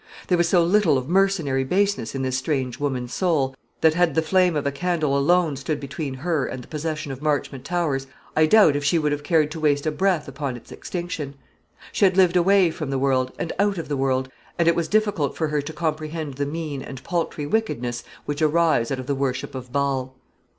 There was so little of mercenary baseness in this strange woman's soul, that had the flame of a candle alone stood between her and the possession of Marchmont Towers, I doubt if she would have cared to waste a breath upon its extinction. She had lived away from the world, and out of the world; and it was difficult for her to comprehend the mean and paltry wickedness which arise out of the worship of Baal.